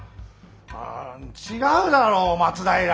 あ違うだろう松平！